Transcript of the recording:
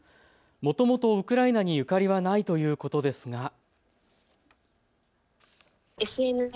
もともとウクライナにゆかりはないということですが。